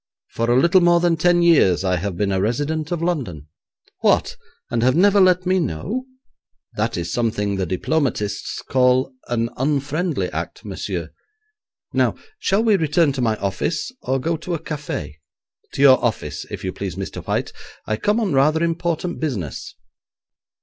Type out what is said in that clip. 'For a little more than ten years I have been a resident of London.' 'What, and have never let me know? That is something the diplomatists call an unfriendly act, monsieur. Now, shall we return to my office, or go to a café?' 'To your office, if you please, Mr. White. I come on rather important business.'